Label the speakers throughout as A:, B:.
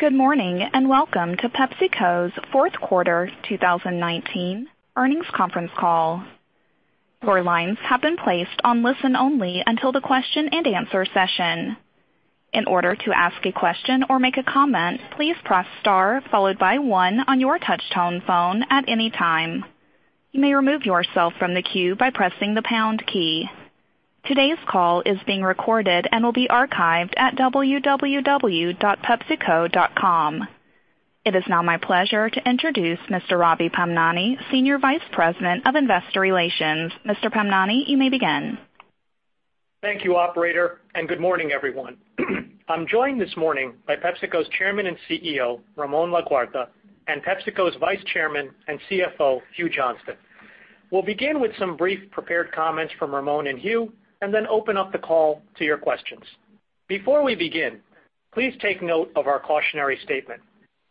A: Good morning, and welcome to PepsiCo's fourth quarter 2019 earnings conference call. Your lines have been placed on listen only until the question and answer session. In order to ask a question or make a comment, please press star followed by one on your touch-tone phone at any time. You may remove yourself from the queue by pressing the pound key. Today's call is being recorded and will be archived at www.pepsico.com. It is now my pleasure to introduce Mr. Ravi Pamnani, Senior Vice President of Investor Relations. Mr. Pamnani, you may begin.
B: Thank you, operator, and good morning, everyone. I'm joined this morning by PepsiCo's Chairman and CEO, Ramon Laguarta, and PepsiCo's Vice Chairman and CFO, Hugh Johnston. We'll begin with some brief prepared comments from Ramon and Hugh, then open up the call to your questions. Before we begin, please take note of our cautionary statement.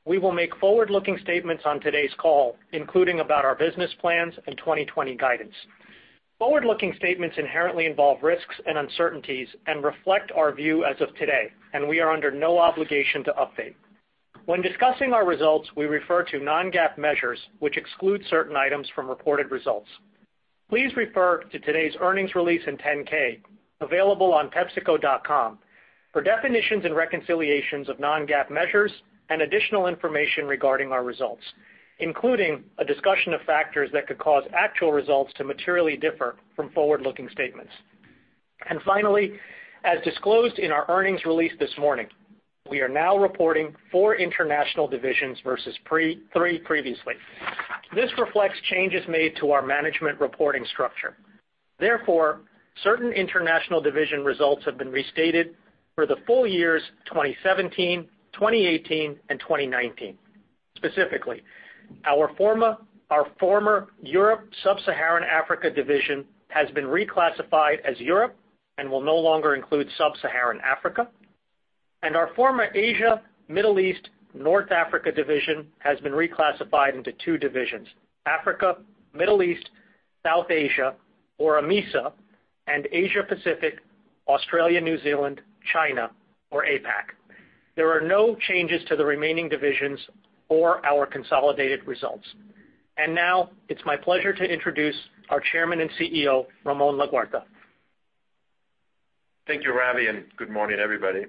B: We will make forward-looking statements on today's call, including about our business plans and 2020 guidance. Forward-looking statements inherently involve risks and uncertainties and reflect our view as of today. We are under no obligation to update. When discussing our results, we refer to non-GAAP measures, which exclude certain items from reported results. Please refer to today's earnings release in 10-K, available on pepsico.com, for definitions and reconciliations of non-GAAP measures and additional information regarding our results, including a discussion of factors that could cause actual results to materially differ from forward-looking statements. Finally, as disclosed in our earnings release this morning, we are now reporting four international divisions versus three previously. This reflects changes made to our management reporting structure. Therefore, certain international division results have been restated for the full years 2017, 2018, and 2019. Specifically, our former Europe Sub-Saharan Africa division has been reclassified as Europe and will no longer include Sub-Saharan Africa. Our former Asia, Middle East, North Africa division has been reclassified into two divisions, Africa, Middle East, South Asia, or AMESA, and Asia Pacific, Australia, New Zealand, China, or APAC. There are no changes to the remaining divisions or our consolidated results. Now it's my pleasure to introduce our Chairman and CEO, Ramon Laguarta.
C: Thank you, Ravi, and good morning, everybody.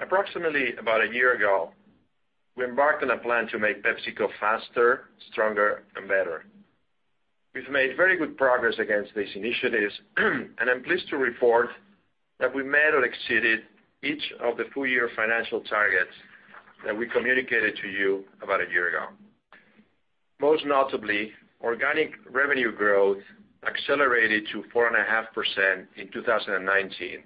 C: Approximately about a year ago, we embarked on a plan to make PepsiCo faster, stronger, and better. We've made very good progress against these initiatives, and I'm pleased to report that we met or exceeded each of the full-year financial targets that we communicated to you about a year ago. Most notably, organic revenue growth accelerated to 4.5% in 2019,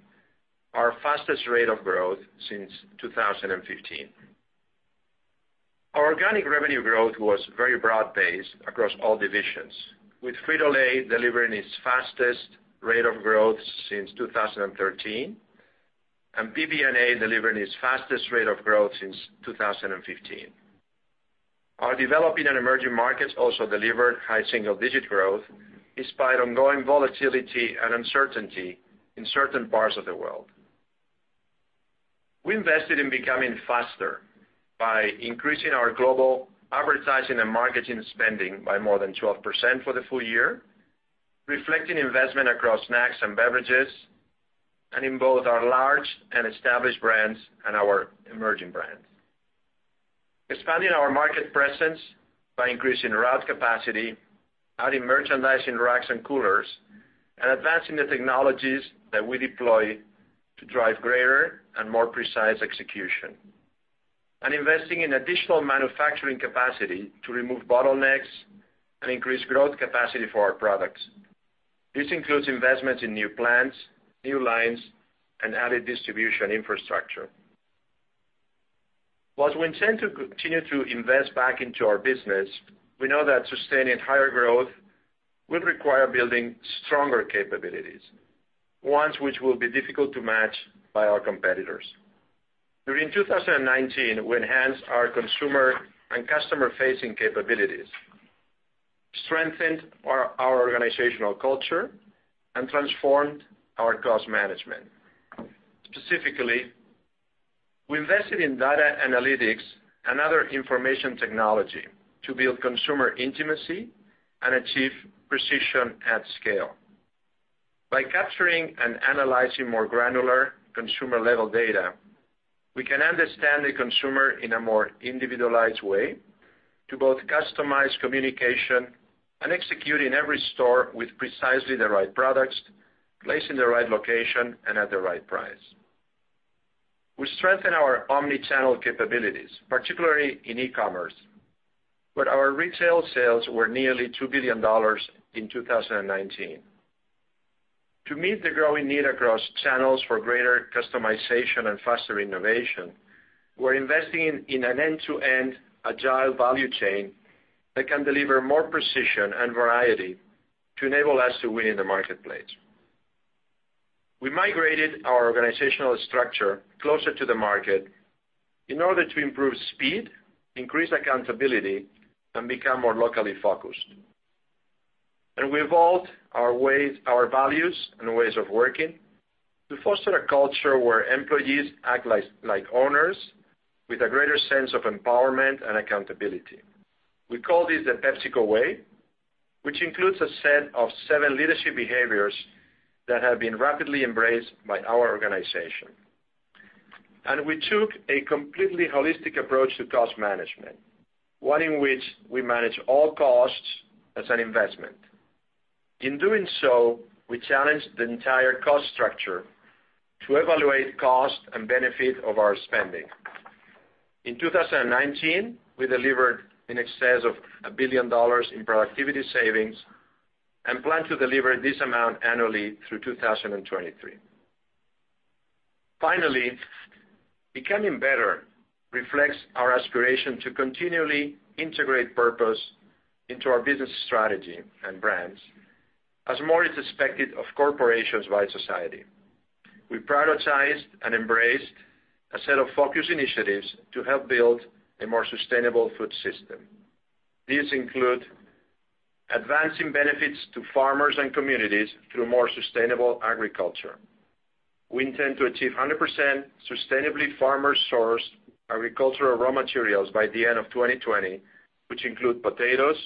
C: our fastest rate of growth since 2015. Our organic revenue growth was very broad-based across all divisions, with Frito-Lay delivering its fastest rate of growth since 2013, and PBNA delivering its fastest rate of growth since 2015. Our developing and emerging markets also delivered high single-digit growth despite ongoing volatility and uncertainty in certain parts of the world. We invested in becoming faster by increasing our global advertising and marketing spending by more than 12% for the full year, reflecting investment across snacks and beverages, and in both our large and established brands and our emerging brands. Expanding our market presence by increasing route capacity, adding merchandising racks and coolers, and advancing the technologies that we deploy to drive greater and more precise execution. Investing in additional manufacturing capacity to remove bottlenecks and increase growth capacity for our products. This includes investments in new plants, new lines, and added distribution infrastructure. Whilst we intend to continue to invest back into our business, we know that sustaining higher growth will require building stronger capabilities, ones which will be difficult to match by our competitors. During 2019, we enhanced our consumer and customer-facing capabilities, strengthened our organizational culture, and transformed our cost management. Specifically, we invested in data analytics and other information technology to build consumer intimacy and achieve precision at scale. By capturing and analyzing more granular consumer-level data, we can understand the consumer in a more individualized way to both customize communication and execute in every store with precisely the right products, placed in the right location, and at the right price. We strengthened our omni-channel capabilities, particularly in e-commerce, where our retail sales were nearly $2 billion in 2019. To meet the growing need across channels for greater customization and faster innovation, we're investing in an end-to-end agile value chain that can deliver more precision and variety to enable us to win in the marketplace. We migrated our organizational structure closer to the market in order to improve speed, increase accountability, and become more locally focused. We evolved our values and ways of working to foster a culture where employees act like owners with a greater sense of empowerment and accountability. We call this the PepsiCo Way, which includes a set of seven leadership behaviors that have been rapidly embraced by our organization. We took a completely holistic approach to cost management, one in which we manage all costs as an investment. In doing so, we challenged the entire cost structure to evaluate cost and benefit of our spending. In 2019, we delivered in excess of $1 billion in productivity savings and plan to deliver this amount annually through 2023. Finally, becoming better reflects our aspiration to continually integrate purpose into our business strategy and brands, as more is expected of corporations by society. We prioritized and embraced a set of focus initiatives to help build a more sustainable food system. These include advancing benefits to farmers and communities through more sustainable agriculture. We intend to achieve 100% sustainably farmer-sourced agricultural raw materials by the end of 2020, which include potatoes,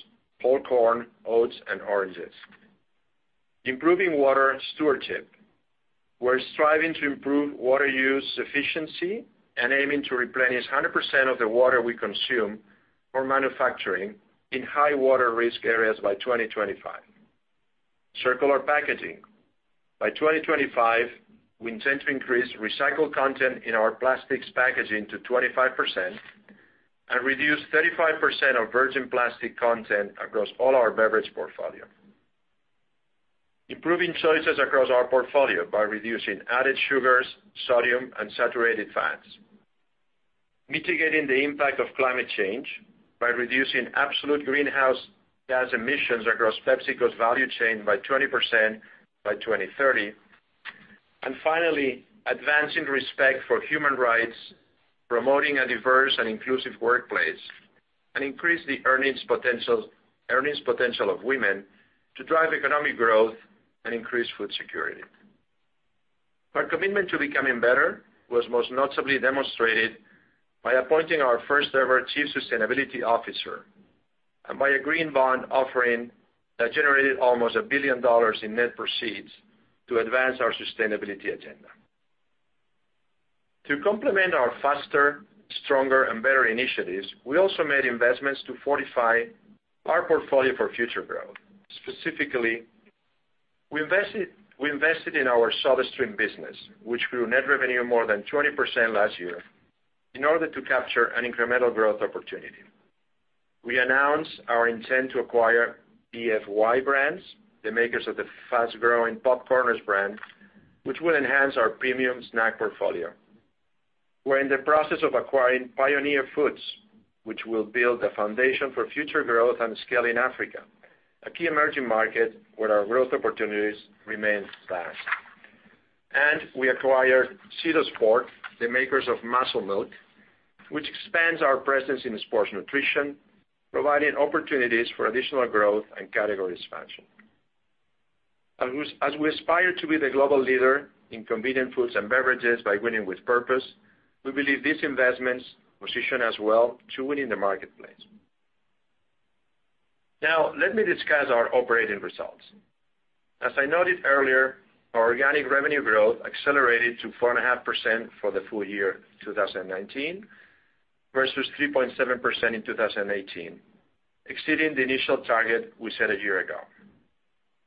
C: whole corn, oats, and oranges. Improving water stewardship. We're striving to improve water use efficiency and aiming to replenish 100% of the water we consume for manufacturing in high-water risk areas by 2025. Circular packaging. By 2025, we intend to increase recycled content in our plastics packaging to 25% and reduce 35% of virgin plastic content across all our beverage portfolio. Improving choices across our portfolio by reducing added sugars, sodium, and saturated fats. Mitigating the impact of climate change by reducing absolute greenhouse gas emissions across PepsiCo's value chain by 20% by 2030. Finally, advancing respect for human rights, promoting a diverse and inclusive workplace, and increase the earnings potential of women to drive economic growth and increase food security. Our commitment to becoming better was most notably demonstrated by appointing our first-ever chief sustainability officer, and by a green bond offering that generated almost $1 billion in net proceeds to advance our sustainability agenda. To complement our faster, stronger, and better initiatives, we also made investments to fortify our portfolio for future growth. Specifically, we invested in our SodaStream business, which grew net revenue more than 20% last year in order to capture an incremental growth opportunity. We announced our intent to acquire BFY Brands, the makers of the fast-growing PopCorners brand, which will enhance our premium snack portfolio. We're in the process of acquiring Pioneer Foods, which will build the foundation for future growth and scale in Africa, a key emerging market where our growth opportunities remain vast. We acquired CytoSport, the makers of Muscle Milk, which expands our presence in sports nutrition, providing opportunities for additional growth and category expansion. As we aspire to be the global leader in convenient foods and beverages by winning with purpose, we believe these investments position us well to win in the marketplace. Now, let me discuss our operating results. As I noted earlier, our organic revenue growth accelerated to 4.5% for the full year 2019 versus 3.7% in 2018, exceeding the initial target we set a year ago.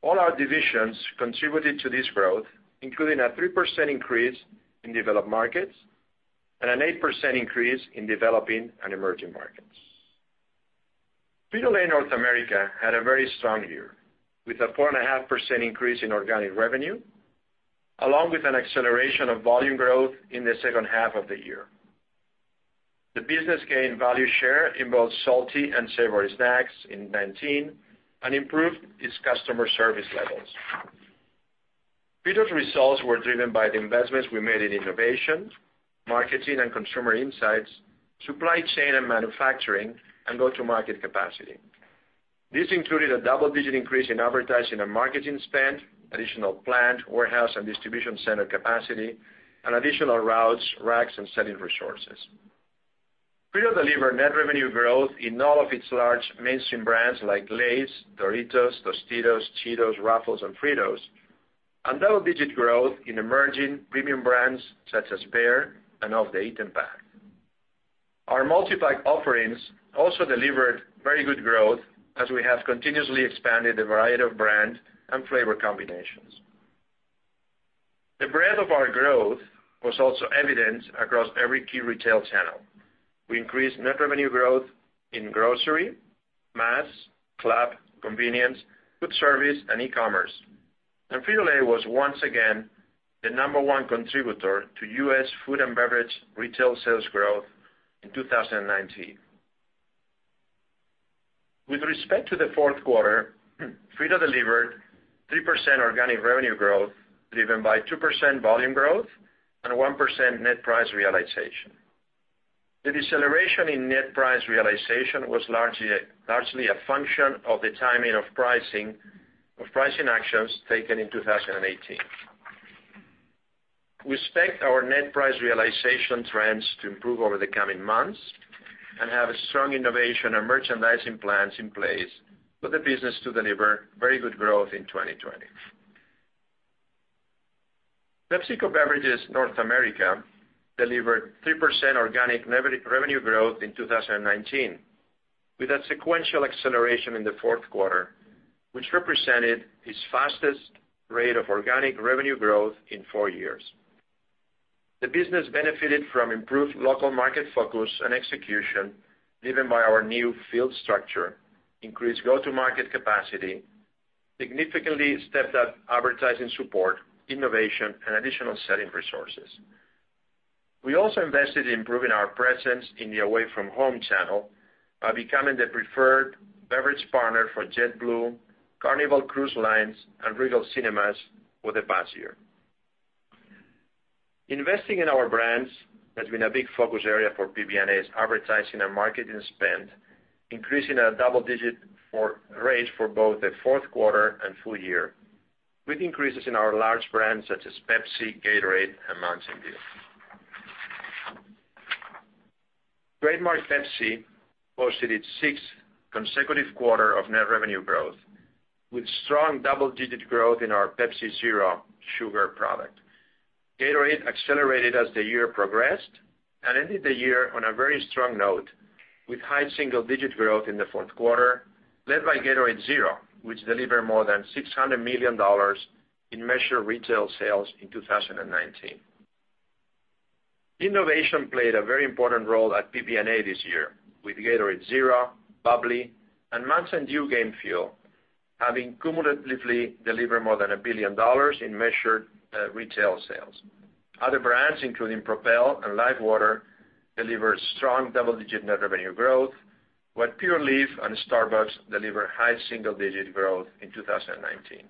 C: All our divisions contributed to this growth, including a 3% increase in developed markets and an 8% increase in developing and emerging markets. Frito-Lay North America had a very strong year, with a 4.5% increase in organic revenue, along with an acceleration of volume growth in the second half of the year. The business gained value share in both salty and savory snacks in 2019 and improved its customer service levels. Frito's results were driven by the investments we made in innovation, marketing and consumer insights, supply chain and manufacturing, and go-to-market capacity. This included a double-digit increase in advertising and marketing spend, additional plant, warehouse, and distribution center capacity, and additional routes, racks, and selling resources. Frito delivered net revenue growth in all of its large mainstream brands, like Lay's, Doritos, Tostitos, Cheetos, Ruffles, and Fritos, and double-digit growth in emerging premium brands such as Bare and Off The Eaten Path. Our multi-pack offerings also delivered very good growth as we have continuously expanded the variety of brand and flavor combinations. The breadth of our growth was also evident across every key retail channel. We increased net revenue growth in grocery, mass, club, convenience, food service, and e-commerce. Frito-Lay was once again the number one contributor to U.S. food and beverage retail sales growth in 2019. With respect to the fourth quarter, Frito delivered 3% organic revenue growth, driven by 2% volume growth and 1% net price realization. The deceleration in net price realization was largely a function of the timing of pricing actions taken in 2018. We expect our net price realization trends to improve over the coming months and have strong innovation and merchandising plans in place for the business to deliver very good growth in 2020. PepsiCo Beverages North America delivered 3% organic revenue growth in 2019, with a sequential acceleration in the fourth quarter, which represented its fastest rate of organic revenue growth in four years. The business benefited from improved local market focus and execution, driven by our new field structure, increased go-to-market capacity, significantly stepped up advertising support, innovation, and additional selling resources. We also invested in improving our presence in the away-from-home channel by becoming the preferred beverage partner for JetBlue, Carnival Cruise Line, and Regal Cinemas for the past year. Investing in our brands has been a big focus area for PBNA's advertising and marketing spend, increasing at a double-digit rate for both the fourth quarter and full year, with increases in our large brands such as Pepsi, Gatorade, and Mountain Dew. Trademark Pepsi posted its sixth consecutive quarter of net revenue growth, with strong double-digit growth in our Pepsi Zero Sugar product. Gatorade accelerated as the year progressed and ended the year on a very strong note, with high single-digit growth in the fourth quarter, led by Gatorade Zero, which delivered more than $600 million in measured retail sales in 2019. Innovation played a very important role at PBNA this year, with Gatorade Zero, bubly, and MTN DEW GAME FUEL having cumulatively delivered more than a billion dollars in measured retail sales. Other brands, including Propel and LIFEWTR, delivered strong double-digit net revenue growth, while Pure Leaf and Starbucks delivered high single-digit growth in 2019.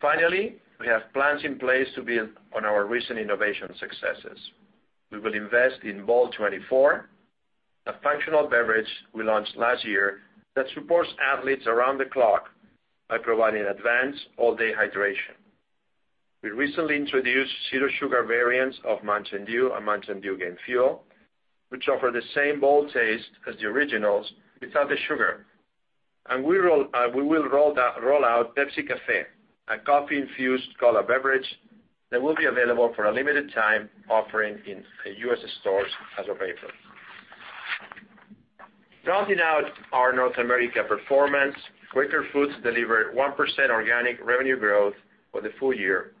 C: Finally, we have plans in place to build on our recent innovation successes. We will invest in Bolt24, a functional beverage we launched last year that supports athletes around the clock by providing advanced all-day hydration. We recently introduced Zero Sugar variants of Mountain Dew and Mountain Dew Game Fuel, which offer the same bold taste as the originals without the sugar. We will roll out Pepsi Café, a coffee-infused cola beverage that will be available for a limited time offering in U.S. stores as of April. Rounding out our North America performance, Quaker Foods delivered 1% organic revenue growth for the full year,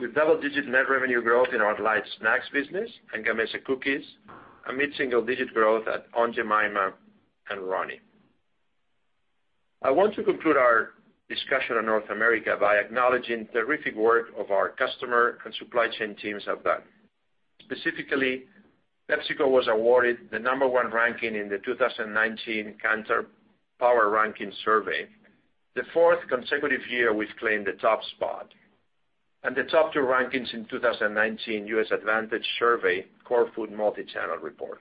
C: with double-digit net revenue growth in our light snacks business and Gamesa cookies, a mid-single digit growth at Aunt Jemima and Rice-A-Roni. I want to conclude our discussion on North America by acknowledging the terrific work our customer and supply chain teams have done. Specifically, PepsiCo was awarded the number one ranking in the 2019 Kantar PoweRanking Survey, the fourth consecutive year we've claimed the top spot, and the top two rankings in 2019 U.S. Advantage Survey Core Food Multichannel Report.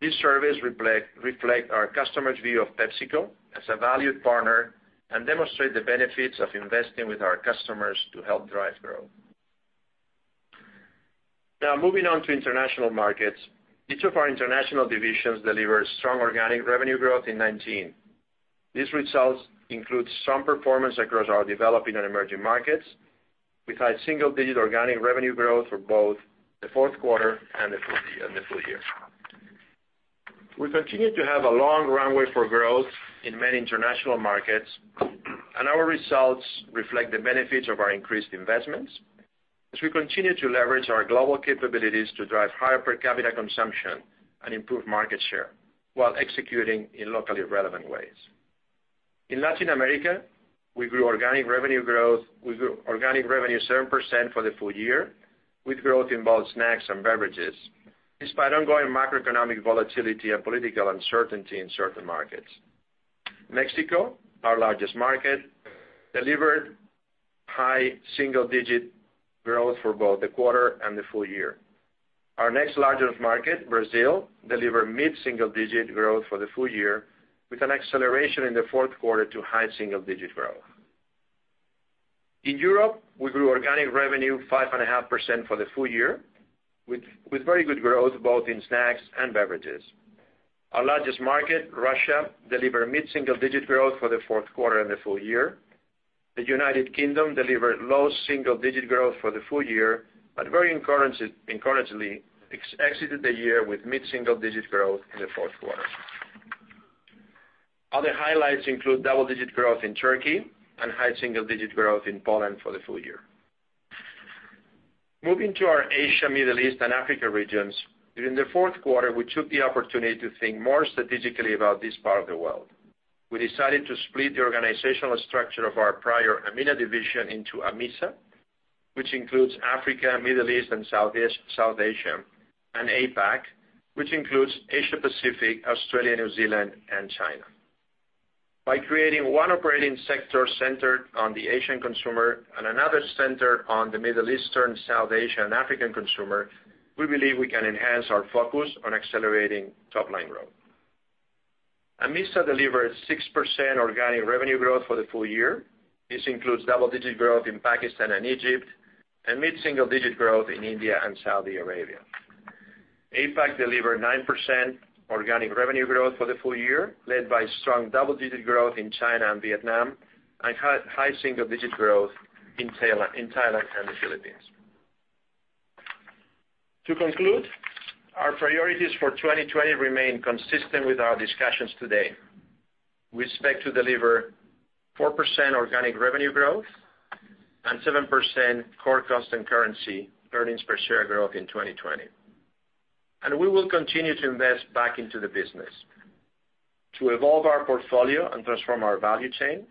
C: These surveys reflect our customers' view of PepsiCo as a valued partner and demonstrate the benefits of investing with our customers to help drive growth. Moving on to international markets. Each of our international divisions delivered strong organic revenue growth in 2019. These results include strong performance across our developing and emerging markets, with high single-digit organic revenue growth for both the fourth quarter and the full year. We continue to have a long runway for growth in many international markets, and our results reflect the benefits of our increased investments as we continue to leverage our global capabilities to drive higher per capita consumption and improve market share, while executing in locally relevant ways. In Latin America, we grew organic revenue 7% for the full year, with growth in both snacks and beverages, despite ongoing macroeconomic volatility and political uncertainty in certain markets. Mexico, our largest market, delivered high single-digit growth for both the quarter and the full year. Our next largest market, Brazil, delivered mid-single digit growth for the full year, with an acceleration in the fourth quarter to high single-digit growth. In Europe, we grew organic revenue 5.5% for the full year, with very good growth both in snacks and beverages. Our largest market, Russia, delivered mid-single digit growth for the fourth quarter and the full year. The U.K. delivered low single-digit growth for the full year. Very encouragingly, exited the year with mid-single digit growth in the fourth quarter. Other highlights include double-digit growth in Turkey and high single-digit growth in Poland for the full year. Moving to our Asia, Middle East, and Africa regions. During the fourth quarter, we took the opportunity to think more strategically about this part of the world. We decided to split the organizational structure of our prior AMENA division into AMESA, which includes Africa, Middle East, and South Asia, and APAC, which includes Asia Pacific, Australia, New Zealand, and China. By creating one operating sector centered on the Asian consumer and another centered on the Middle Eastern, South Asian, African consumer, we believe we can enhance our focus on accelerating top-line growth. AMESA delivered 6% organic revenue growth for the full year. This includes double-digit growth in Pakistan and Egypt, and mid-single digit growth in India and Saudi Arabia. APAC delivered 9% organic revenue growth for the full year, led by strong double-digit growth in China and Vietnam and high single-digit growth in Thailand and the Philippines. To conclude, our priorities for 2020 remain consistent with our discussions today. We expect to deliver 4% organic revenue growth and 7% core constant currency earnings per share growth in 2020. We will continue to invest back into the business to evolve our portfolio and transform our value chain,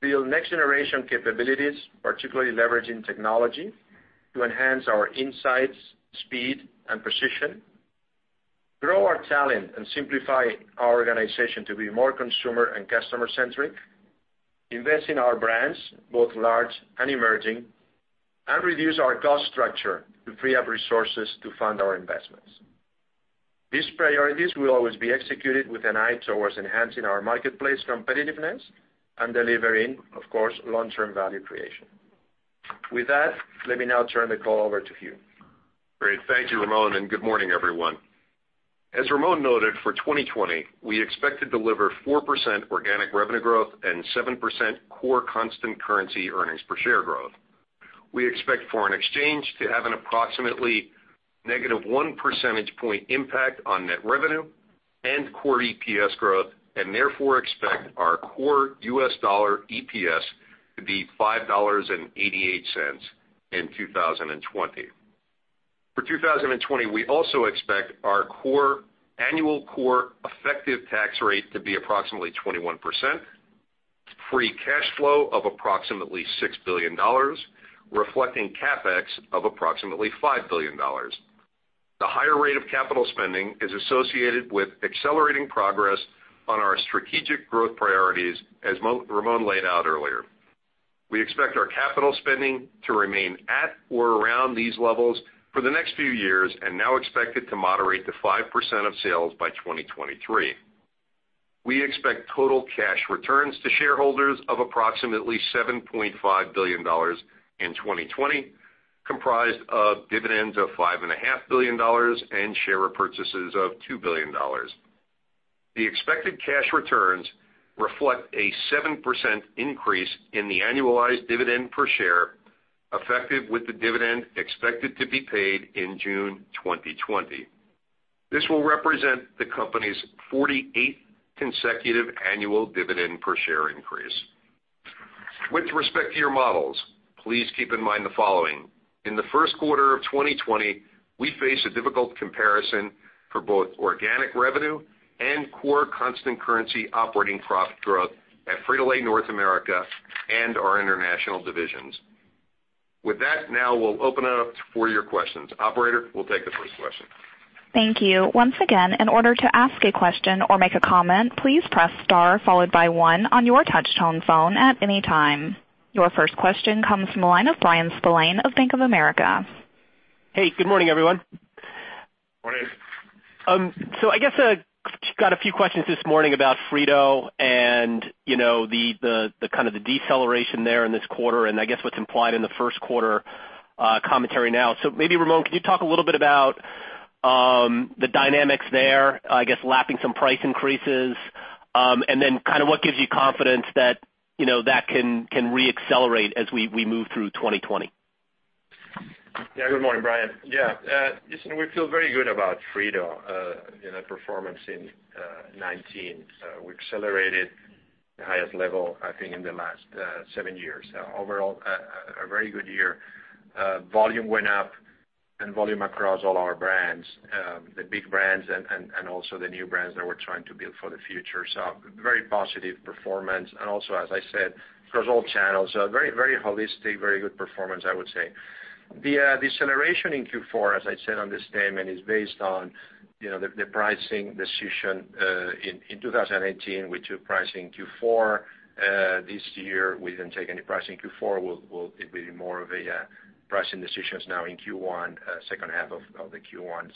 C: build next-generation capabilities, particularly leveraging technology to enhance our insights, speed, and precision, grow our talent, and simplify our organization to be more consumer and customer-centric, invest in our brands, both large and emerging, and reduce our cost structure to free up resources to fund our investments. These priorities will always be executed with an eye towards enhancing our marketplace competitiveness and delivering, of course, long-term value creation. With that, let me now turn the call over to Hugh.
D: Great. Thank you, Ramon. Good morning, everyone. As Ramon noted, for 2020, we expect to deliver 4% organic revenue growth and 7% core constant currency earnings per share growth. We expect foreign exchange to have an approximately negative one percentage point impact on net revenue and core EPS growth, and therefore expect our core US dollar EPS to be $5.88 in 2020. For 2020, we also expect our annual core effective tax rate to be approximately 21%, free cash flow of approximately $6 billion, reflecting CapEx of approximately $5 billion. The higher rate of capital spending is associated with accelerating progress on our strategic growth priorities, as Ramon laid out earlier. We expect our capital spending to remain at or around these levels for the next few years and now expect it to moderate to 5% of sales by 2023. We expect total cash returns to shareholders of approximately $7.5 billion in 2020, comprised of dividends of $5.5 billion and share repurchases of $2 billion. The expected cash returns reflect a 7% increase in the annualized dividend per share, effective with the dividend expected to be paid in June 2020. This will represent the company's 48th consecutive annual dividend per share increase. With respect to your models, please keep in mind the following. In the first quarter of 2020, we face a difficult comparison for both organic revenue and core constant currency operating profit growth at Frito-Lay North America and our international divisions. With that, now we'll open it up for your questions. Operator, we'll take the first question.
A: Thank you. Once again, in order to ask a question or make a comment, please press star followed by one on your touch-tone phone at any time. Your first question comes from the line of Bryan Spillane of Bank of America.
E: Hey, good morning, everyone.
D: Morning.
E: I guess got a few questions this morning about Frito and the deceleration there in this quarter, and I guess what's implied in the first quarter commentary now. Maybe, Ramon, could you talk a little bit about the dynamics there, I guess lapping some price increases, and then what gives you confidence that can re-accelerate as we move through 2020?
C: Good morning, Bryan. Listen, we feel very good about Frito and the performance in 2019. We accelerated the highest level, I think, in the last seven years. Overall, a very good year. Volume went up and volume across all our brands, the big brands and also the new brands that we're trying to build for the future. Very positive performance. Also, as I said, across all channels, a very holistic, very good performance, I would say. The deceleration in Q4, as I said on the statement, is based on the pricing decision. In 2018, we took pricing Q4. This year we didn't take any pricing Q4. It will be more of a pricing decisions now in Q1, second half of the Q1.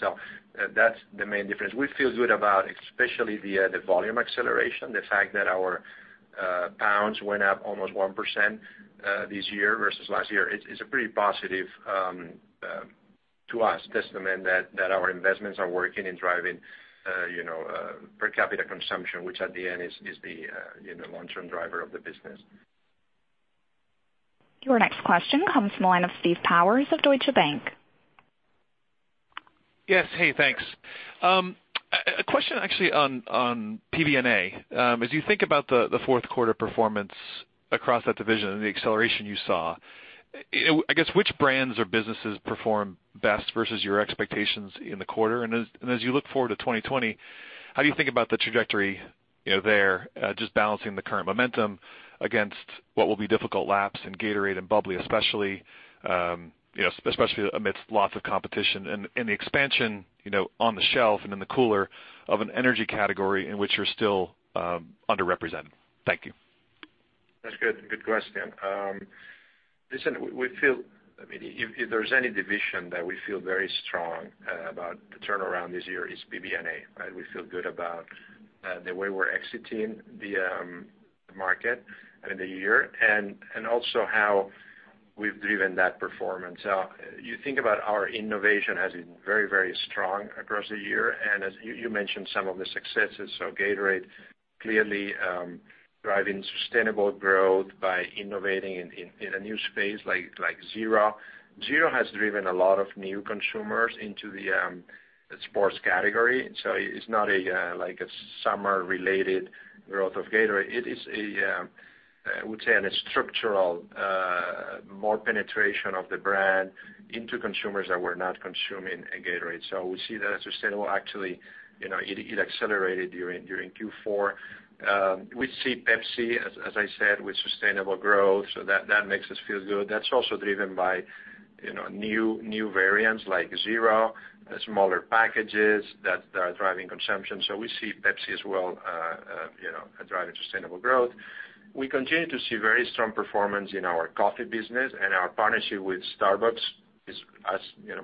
C: That's the main difference. We feel good about, especially the volume acceleration, the fact that our pounds went up almost 1% this year versus last year. It's a pretty positive, to us, testament that our investments are working in driving per capita consumption, which at the end is the long-term driver of the business.
A: Your next question comes from the line of Steve Powers of Deutsche Bank.
F: Yes. Hey, thanks. A question actually on PBNA. As you think about the fourth quarter performance across that division and the acceleration you saw, I guess which brands or businesses perform best versus your expectations in the quarter? As you look forward to 2020, how do you think about the trajectory there, just balancing the current momentum against what will be difficult laps in Gatorade and bubly, especially amidst lots of competition and the expansion on the shelf and in the cooler of an energy category in which you're still underrepresented? Thank you.
C: That's good. Good question. Listen, if there's any division that we feel very strong about the turnaround this year, it's PBNA, right? We feel good about the way we're exiting the market and the year, and also how we've driven that performance. You think about our innovation has been very strong across the year, and as you mentioned some of the successes. Gatorade clearly driving sustainable growth by innovating in a new space like Zero. Zero has driven a lot of new consumers into the sports category. It's not a summer-related growth of Gatorade. It is, I would say, a structural, more penetration of the brand into consumers that were not consuming a Gatorade. We see that as sustainable. Actually, it accelerated during Q4. We see Pepsi, as I said, with sustainable growth, so that makes us feel good. That's also driven by new variants like Zero, smaller packages that are driving consumption. We see Pepsi as well, driving sustainable growth. We continue to see very strong performance in our coffee business, and our partnership with Starbucks is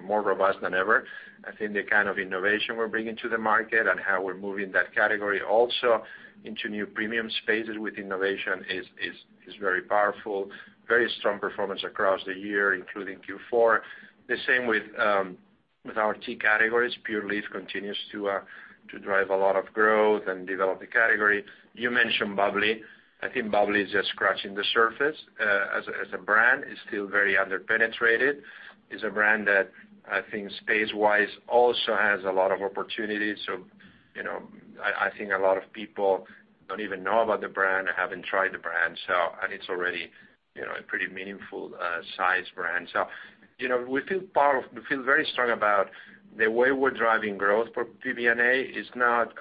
C: more robust than ever. I think the kind of innovation we're bringing to the market and how we're moving that category also into new premium spaces with innovation is very powerful. Very strong performance across the year, including Q4. The same with our tea categories. Pure Leaf continues to drive a lot of growth and develop the category. You mentioned bubly. I think bubly is just scratching the surface as a brand. It's still very under-penetrated. It's a brand that I think space-wise also has a lot of opportunities. I think a lot of people don't even know about the brand or haven't tried the brand, and it's already a pretty meaningful size brand. We feel very strong about the way we're driving growth for PBNA. It's not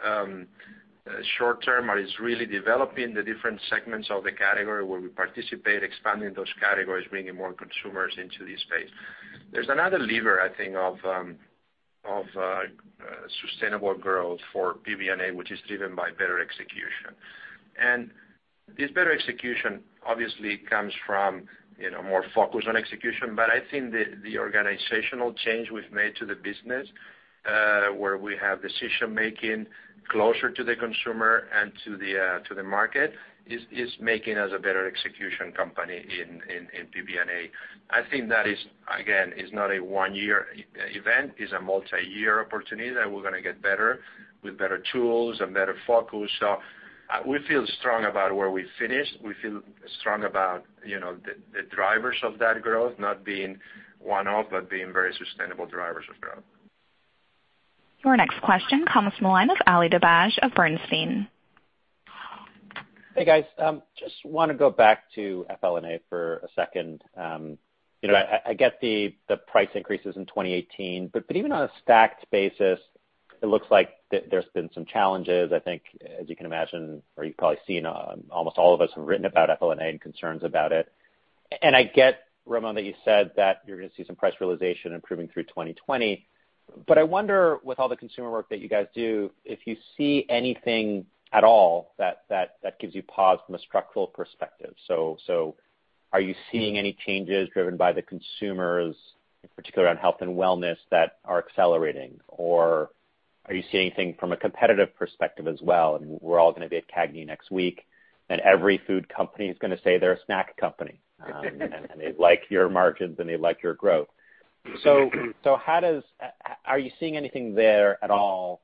C: short-term, but it's really developing the different segments of the category where we participate, expanding those categories, bringing more consumers into the space. There's another lever, I think of sustainable growth for PBNA, which is driven by better execution. This better execution obviously comes from more focus on execution. I think the organizational change we've made to the business, where we have decision-making closer to the consumer and to the market, is making us a better execution company in PBNA. I think that is, again, it's not a one-year event. It's a multi-year opportunity that we're going to get better with better tools and better focus. We feel strong about where we finished. We feel strong about the drivers of that growth not being one-off, but being very sustainable drivers of growth.
A: Your next question comes from the line of Ali Dibadj of Bernstein.
G: Hey, guys. Just want to go back to FLNA for a second. I get the price increases in 2018, but even on a stacked basis, it looks like there's been some challenges, I think, as you can imagine, or you've probably seen almost all of us have written about FLNA and concerns about it. I get, Ramon, that you said that you're going to see some price realization improving through 2020. I wonder with all the consumer work that you guys do, if you see anything at all that gives you pause from a structural perspective. Are you seeing any changes driven by the consumers, in particular on health and wellness that are accelerating? Are you seeing anything from a competitive perspective as well? We're all going to be at CAGNY next week, and every food company is going to say they're a snack company, and they like your margins, and they like your growth. Are you seeing anything there at all?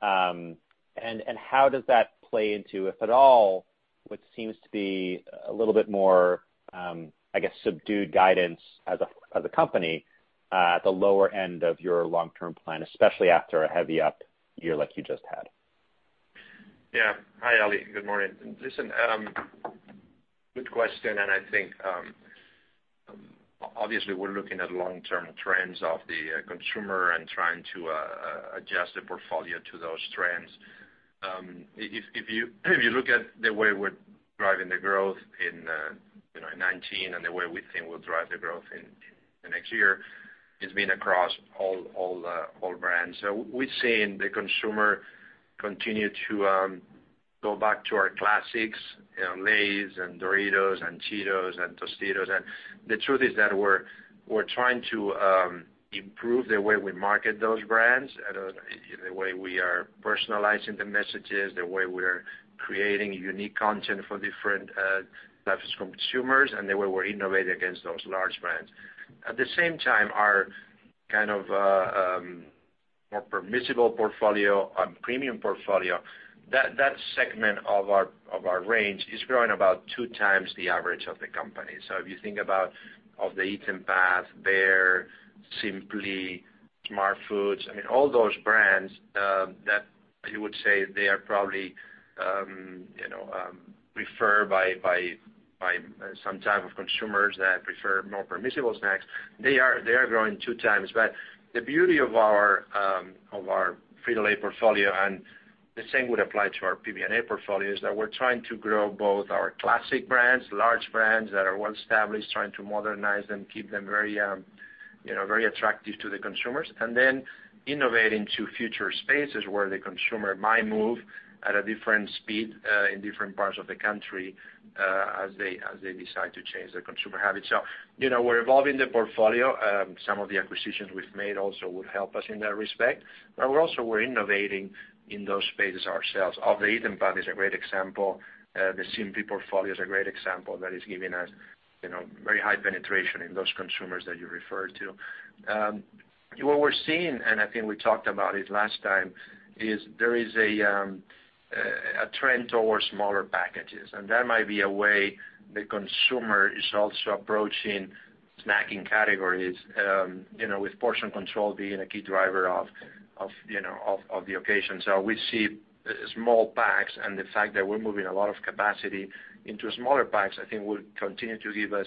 G: How does that play into, if at all, what seems to be a little bit more, I guess, subdued guidance as a company, at the lower end of your long-term plan, especially after a heavy up year like you just had?
C: Hi, Ali. Good morning. Listen, good question, and I think, obviously we're looking at long-term trends of the consumer and trying to adjust the portfolio to those trends. If you look at the way we're driving the growth in 2019 and the way we think we'll drive the growth in the next year, it's been across all brands. We've seen the consumer continue to go back to our classics, Lay's and Doritos and Cheetos and Tostitos. The truth is that we're trying to improve the way we market those brands and the way we are personalizing the messages, the way we're creating unique content for different types of consumers, and the way we're innovating against those large brands. At the same time, our more permissible portfolio, premium portfolio, that segment of our range is growing about two times the average of the company. If you think about, Off The Eaten Path, Bare, Simply, Smartfood, all those brands, that you would say they are probably preferred by some type of consumers that prefer more permissible snacks. They are growing two times. The beauty of our Frito-Lay portfolio, and the same would apply to our PBNA portfolio, is that we're trying to grow both our classic brands, large brands that are well established, trying to modernize them, keep them very attractive to the consumers, and then innovating to future spaces where the consumer might move at a different speed in different parts of the country as they decide to change their consumer habits. We're evolving the portfolio. Some of the acquisitions we've made also would help us in that respect. Also, we're innovating in those spaces ourselves. Off The Eaten Path is a great example. The Simply portfolio is a great example that is giving us very high penetration in those consumers that you referred to. What we're seeing, and I think we talked about it last time, is there is a trend towards smaller packages, and that might be a way the consumer is also approaching snacking categories, with portion control being a key driver of the occasion. We see small packs, and the fact that we're moving a lot of capacity into smaller packs, I think will continue to give us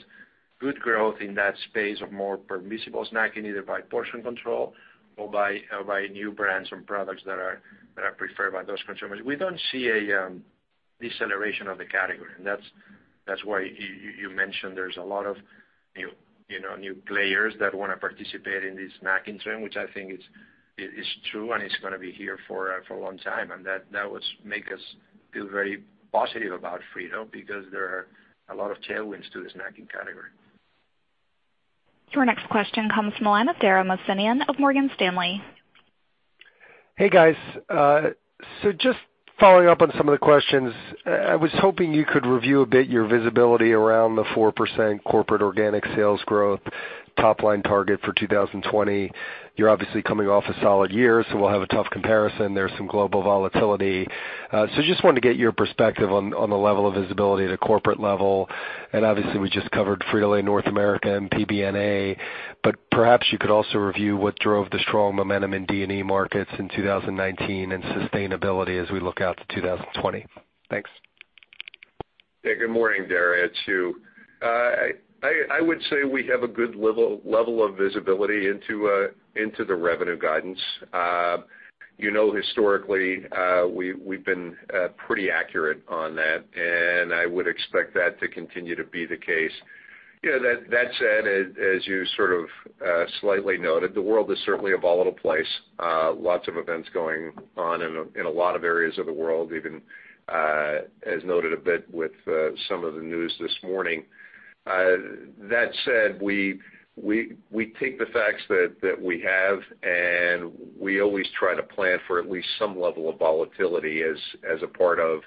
C: good growth in that space of more permissible snacking, either by portion control or by new brands and products that are preferred by those consumers. We don't see a deceleration of the category. That's why you mentioned there's a lot of new players that want to participate in the snacking trend, which I think is true, and it's going to be here for a long time. That makes us feel very positive about Frito, because there are a lot of tailwinds to the snacking category.
A: Your next question comes from the line of Dara Mohsenian of Morgan Stanley.
H: Hey, guys. Just following up on some of the questions. I was hoping you could review a bit your visibility around the 4% corporate organic sales growth top line target for 2020. You're obviously coming off a solid year, so we'll have a tough comparison. There's some global volatility. Just wanted to get your perspective on the level of visibility at a corporate level. Obviously, we just covered Frito-Lay North America and PBNA, but perhaps you could also review what drove the strong momentum in D&E markets in 2019 and sustainability as we look out to 2020. Thanks.
D: Yeah, good morning, Dara, it's Hugh. I would say we have a good level of visibility into the revenue guidance. Historically, we've been pretty accurate on that, and I would expect that to continue to be the case. That said, as you sort of slightly noted, the world is certainly a volatile place. Lots of events going on in a lot of areas of the world, even as noted a bit with some of the news this morning. That said, we take the facts that we have, and we always try to plan for at least some level of volatility as a part of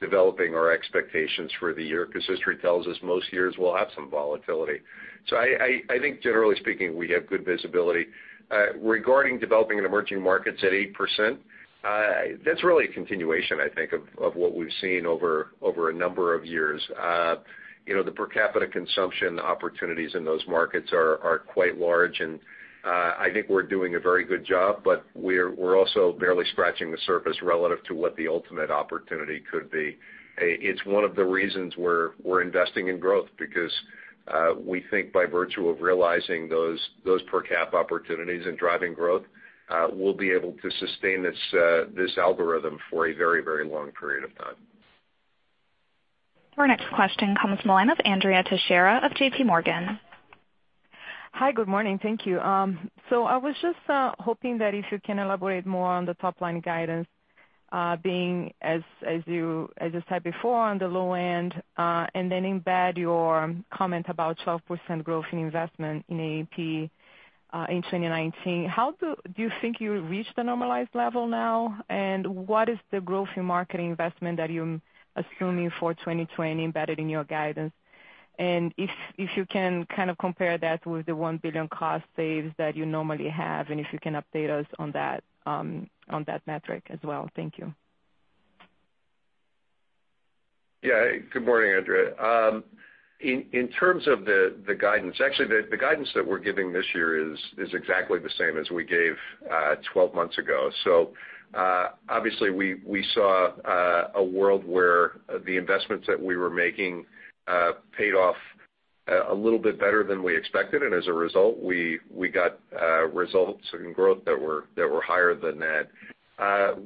D: developing our expectations for the year, because history tells us most years we'll have some volatility. I think generally speaking, we have good visibility. Regarding developing in emerging markets at 8%, that's really a continuation, I think, of what we've seen over a number of years. The per capita consumption opportunities in those markets are quite large and I think we're doing a very good job, but we're also barely scratching the surface relative to what the ultimate opportunity could be. It's one of the reasons we're investing in growth, because we think by virtue of realizing those per cap opportunities and driving growth, we'll be able to sustain this algorithm for a very long period of time.
A: Our next question comes from the line of Andrea Teixeira of JPMorgan.
I: Hi, good morning. Thank you. I was just hoping that if you can elaborate more on the top-line guidance, being, as you said before, on the low end, and then embed your comment about 12% growth in investment in A&P in 2019. Do you think you reached the normalized level now? What is the growth in marketing investment that you're assuming for 2020 embedded in your guidance? If you can kind of compare that with the $1 billion cost saves that you normally have, and if you can update us on that metric as well. Thank you.
D: Yeah. Good morning, Andrea. In terms of the guidance, actually, the guidance that we're giving this year is exactly the same as we gave 12 months ago. Obviously, we saw a world where the investments that we were making paid off a little bit better than we expected, and as a result, we got results and growth that were higher than that.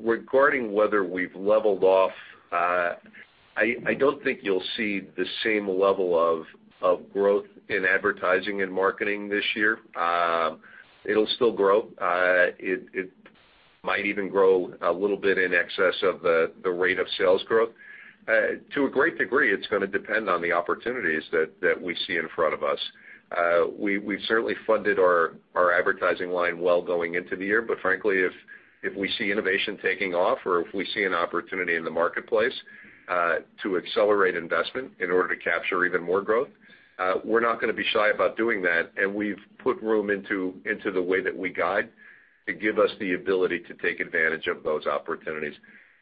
D: Regarding whether we've leveled off, I don't think you'll see the same level of growth in advertising and marketing this year. It'll still grow. It might even grow a little bit in excess of the rate of sales growth. To a great degree, it's going to depend on the opportunities that we see in front of us. We've certainly funded our advertising line well going into the year. Frankly, if we see innovation taking off or if we see an opportunity in the marketplace to accelerate investment in order to capture even more growth, we're not going to be shy about doing that. We've put room into the way that we guide to give us the ability to take advantage of those opportunities.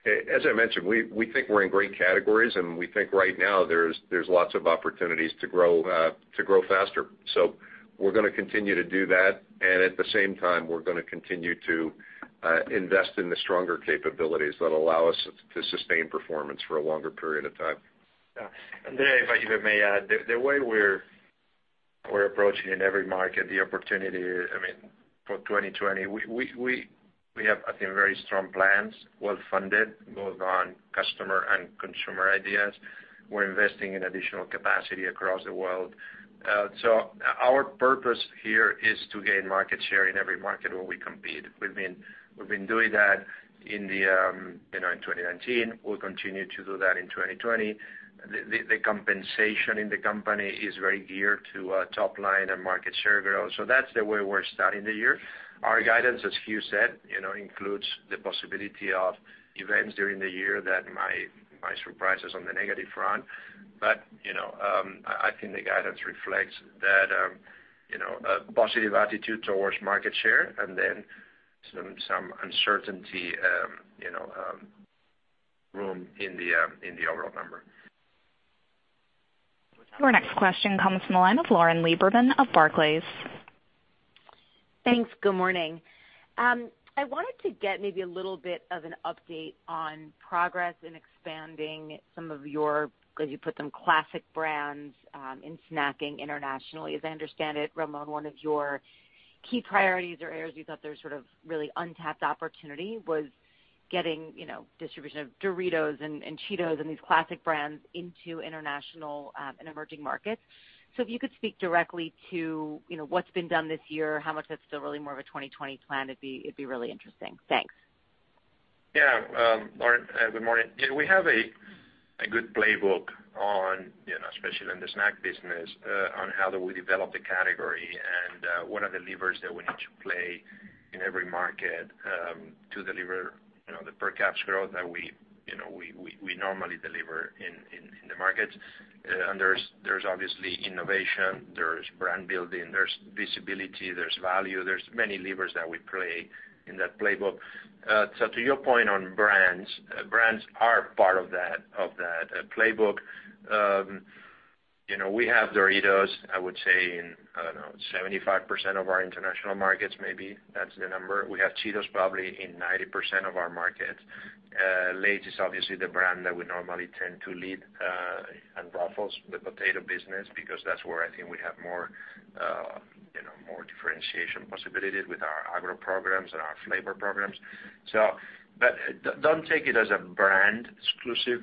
D: As I mentioned, we think we're in great categories, and we think right now there's lots of opportunities to grow faster. We're going to continue to do that, and at the same time, we're going to continue to invest in the stronger capabilities that allow us to sustain performance for a longer period of time.
C: Andrea, if I may add, the way we're approaching in every market the opportunity for 2020, we have, I think, very strong plans, well-funded, both on customer and consumer ideas. We're investing in additional capacity across the world. Our purpose here is to gain market share in every market where we compete. We've been doing that in 2019. We'll continue to do that in 2020. The compensation in the company is very geared to top line and market share growth. That's the way we're starting the year. Our guidance, as Hugh said, includes the possibility of events during the year that might surprise us on the negative front. I think the guidance reflects that a positive attitude towards market share and then some uncertainty room in the overall number.
A: Our next question comes from the line of Lauren Lieberman of Barclays.
J: Thanks. Good morning. I wanted to get maybe a little bit of an update on progress in expanding some of your, as you put them, classic brands, in snacking internationally. As I understand it, Ramon, one of your key priorities or areas you thought there's sort of really untapped opportunity was getting distribution of Doritos and Cheetos and these classic brands into international and emerging markets. If you could speak directly to what's been done this year, how much that's still really more of a 2020 plan, it'd be really interesting. Thanks.
C: Lauren, good morning. We have a good playbook, especially in the snack business, on how do we develop the category and what are the levers that we need to play in every market to deliver the per caps growth that we normally deliver in the markets. There's obviously innovation, there's brand building, there's visibility, there's value, there's many levers that we play in that playbook. To your point on brands are part of that playbook. We have Doritos, I would say, in, I don't know, 75% of our international markets, maybe that's the number. We have Cheetos probably in 90% of our markets. Lay's is obviously the brand that we normally tend to lead, and Ruffles, the potato business, because that's where I think we have more differentiation possibilities with our agro programs and our flavor programs. Don't take it as a brand exclusive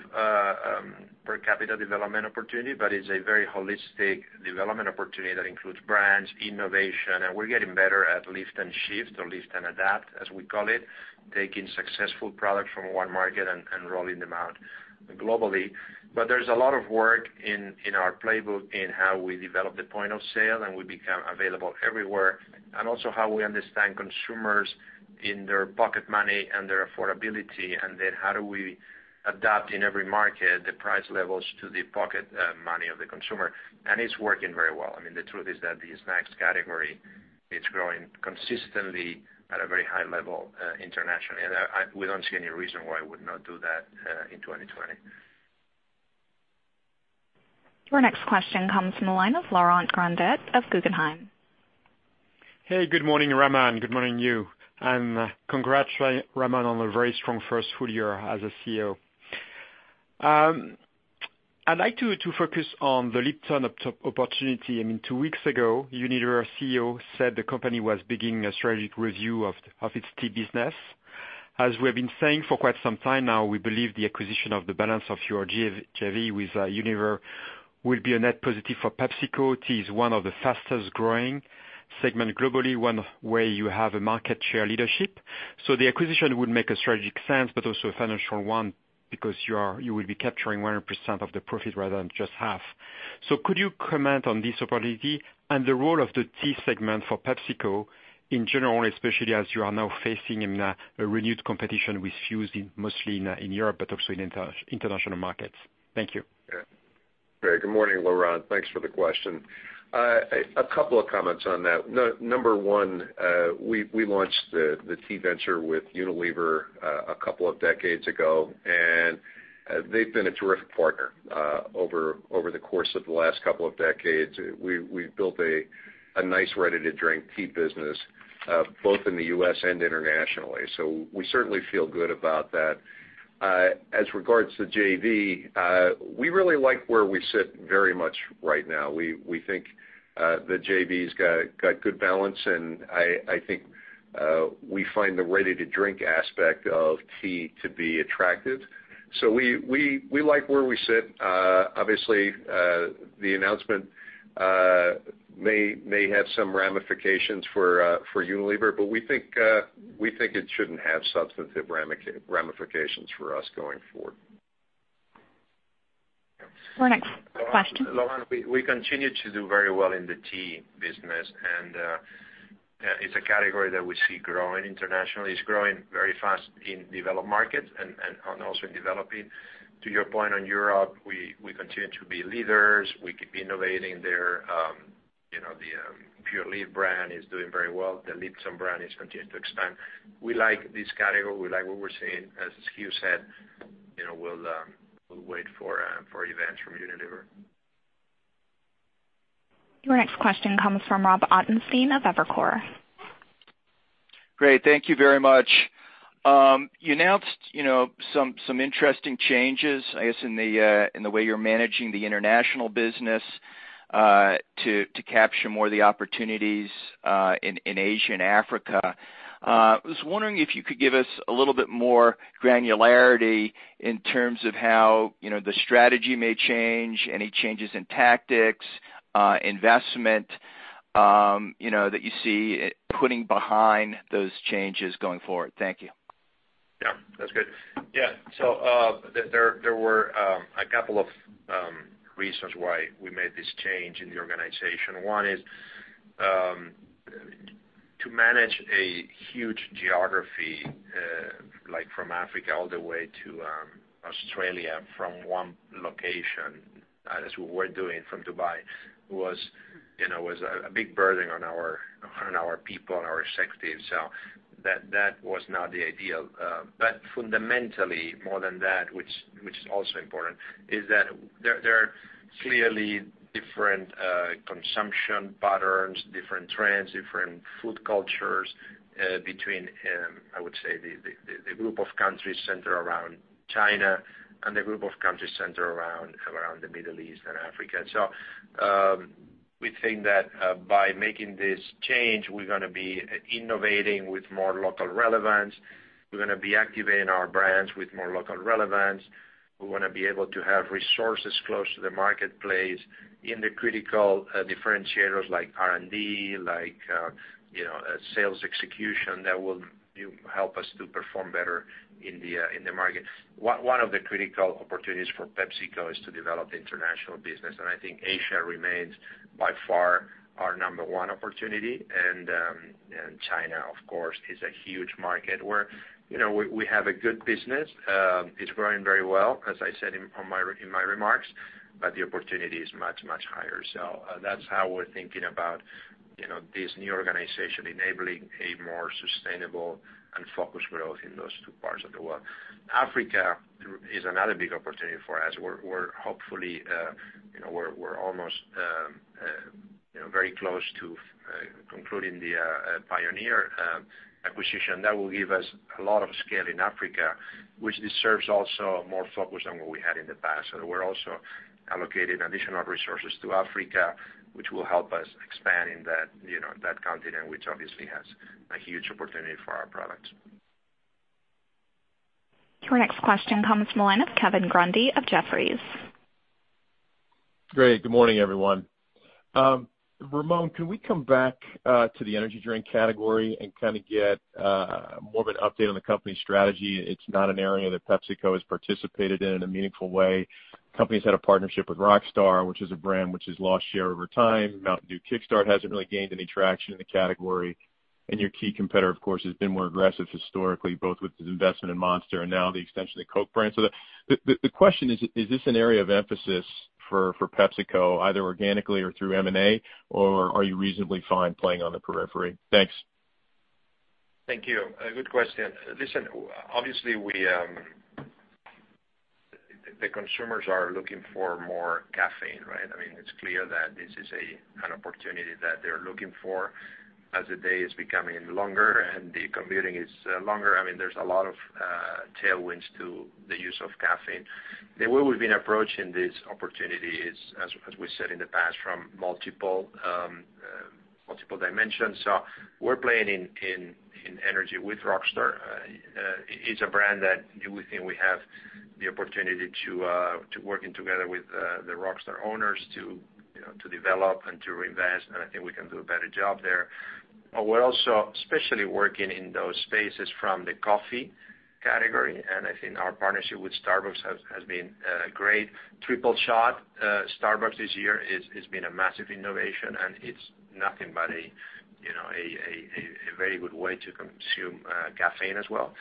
C: per capita development opportunity, but it's a very holistic development opportunity that includes brands, innovation, and we're getting better at lift and shift or lift and adapt, as we call it, taking successful products from one market and rolling them out globally. There's a lot of work in our playbook in how we develop the point of sale and we become available everywhere, and also how we understand consumers in their pocket money and their affordability, and then how do we adapt in every market, the price levels to the pocket money of the consumer. It's working very well. I mean, the truth is that the snacks category is growing consistently at a very high level internationally, and we don't see any reason why it would not do that in 2020.
A: Your next question comes from the line of Laurent Grandet of Guggenheim.
K: Hey, good morning, Ramon. Good morning you, and congrats, Ramon, on a very strong first full year as a CEO. I'd like to focus on the Lipton opportunity. Two weeks ago, Unilever CEO said the company was beginning a strategic review of its tea business. We have been saying for quite some time now, we believe the acquisition of the balance of your JV with Unilever will be a net positive for PepsiCo. Tea is one of the fastest-growing segment globally, one where you have a market share leadership. The acquisition would make a strategic sense, but also a financial one because you will be capturing 100% of the profit rather than just half. Could you comment on this opportunity and the role of the tea segment for PepsiCo in general, especially as you are now facing a renewed competition with Fuze mostly in Europe, but also in international markets? Thank you.
D: Yeah. Great. Good morning, Laurent. Thanks for the question. A couple of comments on that. Number one, we launched the tea venture with Unilever a couple of decades ago. They've been a terrific partner over the course of the last couple of decades. We've built a nice ready-to-drink tea business, both in the U.S. and internationally. We certainly feel good about that. As regards to JV, we really like where we sit very much right now. We think the JV's got good balance. I think we find the ready-to-drink aspect of tea to be attractive. We like where we sit. Obviously, the announcement may have some ramifications for Unilever. We think it shouldn't have substantive ramifications for us going forward.
A: Our next question.
C: Laurent, we continue to do very well in the tea business, and it's a category that we see growing internationally. It's growing very fast in developed markets and also in developing. To your point on Europe, we continue to be leaders. We keep innovating there. The Pure Leaf brand is doing very well. The Lipton brand is continuing to expand. We like this category. We like what we're seeing. As Hugh said, we'll wait for events from Unilever.
A: Your next question comes from Robert Ottenstein of Evercore.
L: Great. Thank you very much. You announced some interesting changes, I guess, in the way you're managing the international business to capture more of the opportunities in Asia and Africa. I was wondering if you could give us a little bit more granularity in terms of how the strategy may change, any changes in tactics, investment, that you see putting behind those changes going forward. Thank you.
C: Yeah, that's good. Yeah. There were a couple of reasons why we made this change in the organization. One is to manage a huge geography, like from Africa all the way to Australia from one location, as we were doing from Dubai, was a big burden on our people and our executives. That was not the ideal. Fundamentally, more than that, which is also important, is that there are clearly different consumption patterns, different trends, different food cultures, between, I would say, the group of countries centered around China and the group of countries centered around the Middle East and Africa. We think that by making this change, we're going to be innovating with more local relevance. We're going to be activating our brands with more local relevance. We want to be able to have resources close to the marketplace in the critical differentiators like R&D, like sales execution that will help us to perform better in the market. One of the critical opportunities for PepsiCo is to develop the international business, and I think Asia remains by far our number one opportunity, and China, of course, is a huge market where we have a good business. It's growing very well, as I said in my remarks, but the opportunity is much, much higher. That's how we're thinking about this new organization, enabling a more sustainable and focused growth in those two parts of the world. Africa is another big opportunity for us. We're almost very close to concluding the Pioneer acquisition. That will give us a lot of scale in Africa, which deserves also more focus than what we had in the past. We're also allocating additional resources to Africa, which will help us expand in that continent, which obviously has a huge opportunity for our products.
A: Your next question comes from the line of Kevin Grundy of Jefferies.
M: Great. Good morning, everyone. Ramon, can we come back to the energy drink category and kind of get more of an update on the company's strategy? It's not an area that PepsiCo has participated in in a meaningful way. Company's had a partnership with Rockstar, which is a brand which has lost share over time. Mountain Dew Kickstart hasn't really gained any traction in the category. Your key competitor, of course, has been more aggressive historically, both with his investment in Monster and now the extension of the Coke brand. The question is: Is this an area of emphasis for PepsiCo, either organically or through M&A, or are you reasonably fine playing on the periphery? Thanks.
C: Thank you. Good question. Obviously, the consumers are looking for more caffeine, right? It's clear that this is an opportunity that they're looking for as the day is becoming longer and the commuting is longer. There's a lot of tailwinds to the use of caffeine. The way we've been approaching this opportunity is, as we said in the past, from multiple dimensions. We're playing in energy with Rockstar. It's a brand that we think we have the opportunity to working together with the Rockstar owners to develop and to reinvest, and I think we can do a better job there. We're also especially working in those spaces from the coffee category, and I think our partnership with Starbucks has been great. Starbucks Tripleshot this year has been a massive innovation, and it's nothing but a very good way to consume caffeine as well.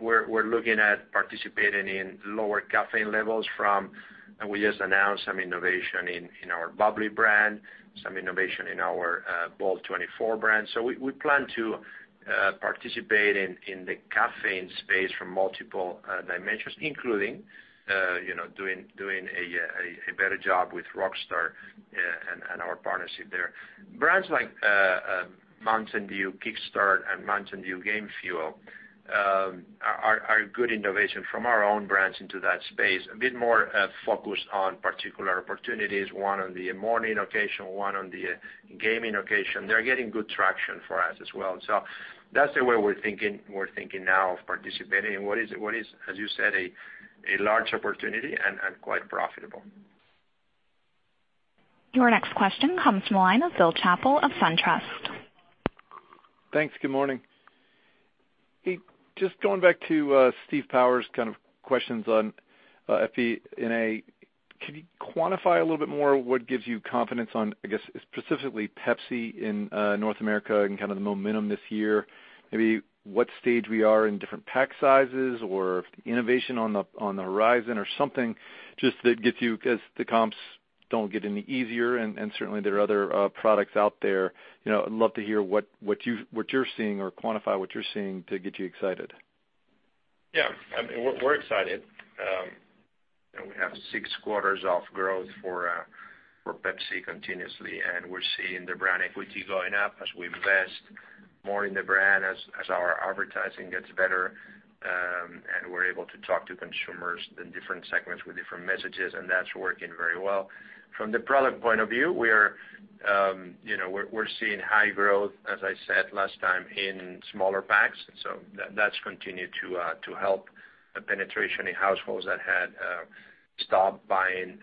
C: We're looking at participating in lower caffeine levels. We just announced some innovation in our bubly brand, some innovation in our Bolt24 brand. We plan to participate in the caffeine space from multiple dimensions, including doing a better job with Rockstar and our partnership there. Brands like Mountain Dew Kickstart and MTN DEW GAME FUEL are good innovation from our own brands into that space, a bit more focused on particular opportunities, one on the morning occasion, one on the gaming occasion. They're getting good traction for us as well. That's the way we're thinking now of participating in what is, as you said, a large opportunity and quite profitable.
A: Your next question comes from the line of Bill Chappell of SunTrust.
N: Thanks. Good morning. Just going back to Steve Powers' kind of questions on PBNA. Can you quantify a little bit more what gives you confidence on, I guess, specifically Pepsi in North America and kind of the momentum this year? Maybe what stage we are in different pack sizes or innovation on the horizon or something, just that gets you, because the comps don't get any easier. Certainly there are other products out there. I'd love to hear what you're seeing or quantify what you're seeing to get you excited.
C: Yeah. We're excited. We have six quarters of growth for Pepsi continuously, and we're seeing the brand equity going up as we invest more in the brand, as our advertising gets better, and we're able to talk to consumers in different segments with different messages, and that's working very well. From the product point of view, we're seeing high growth, as I said last time, in smaller packs. That's continued to help the penetration in households that had stopped buying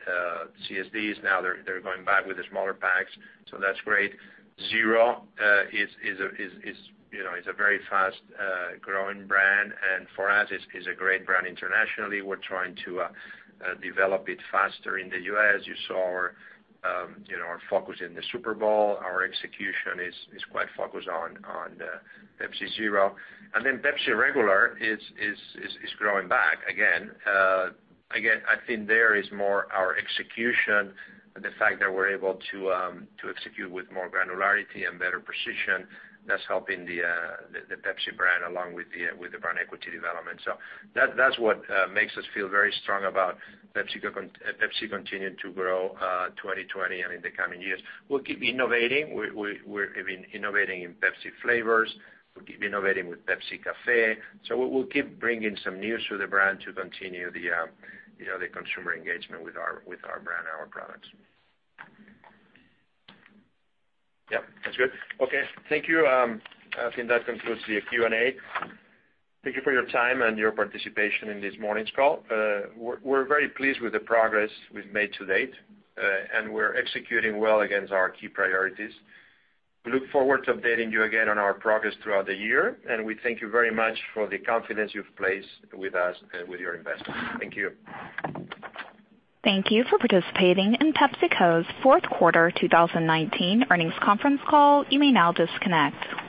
C: CSDs. Now they're going back with the smaller packs, so that's great. Zero is a very fast-growing brand, and for us is a great brand internationally. We're trying to develop it faster in the U.S. You saw our focus in the Super Bowl. Our execution is quite focused on Pepsi Zero. Pepsi regular is growing back again. Again, I think there is more our execution and the fact that we're able to execute with more granularity and better precision. That's helping the Pepsi brand along with the brand equity development. That's what makes us feel very strong about Pepsi continuing to grow 2020 and in the coming years. We'll keep innovating. We're innovating in Pepsi flavors. We'll keep innovating with Pepsi Café. We'll keep bringing some news to the brand to continue the consumer engagement with our brand and our products. Yep, that's good. Okay, thank you. I think that concludes the Q&A. Thank you for your time and your participation in this morning's call. We're very pleased with the progress we've made to date, and we're executing well against our key priorities. We look forward to updating you again on our progress throughout the year. We thank you very much for the confidence you've placed with us with your investment. Thank you.
A: Thank you for participating in PepsiCo's fourth quarter 2019 earnings conference call. You may now disconnect.